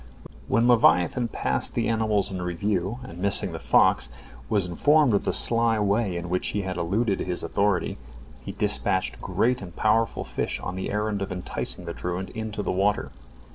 When leviathan passed the animals in review, and missing the fox was informed of the sly way in which he had eluded his authority, he dispatched great and powerful fish on the errand of enticing the truant into the water.